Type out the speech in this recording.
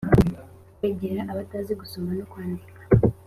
kwegera abatazi gusoma no kwandika